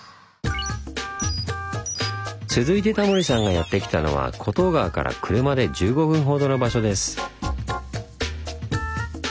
続いてタモリさんがやって来たのは厚東川から車で１５分ほどの場所です。